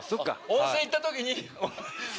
温泉行った時に。